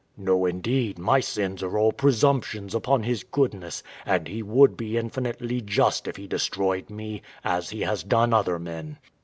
W.A. No, indeed, my sins are all presumptions upon His goodness; and He would be infinitely just if He destroyed me, as He has done other men.